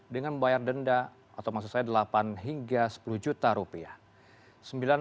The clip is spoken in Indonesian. dengan membayar denda atau maksud saya delapan hingga sepuluh juta rupiah